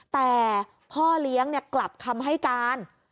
แต่พ่อเลี้ยงกลับคำให้การ